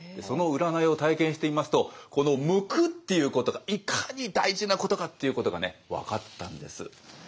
その占いを体験してみますとこの「むく」っていうことがいかに大事なことかっていうことがね分かったんです。